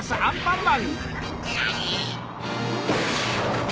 アンパンマン！